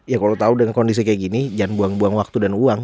ya kalau tahu dengan kondisi kayak gini jangan buang buang waktu dan uang